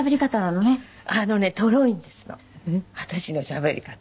私のしゃべり方